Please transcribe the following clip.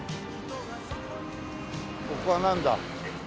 ここはなんだ？